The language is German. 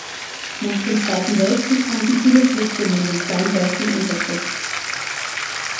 Nach dem Zweiten Weltkrieg fanden viele Flüchtlinge in dem kleinen Dörfchen Unterschlupf.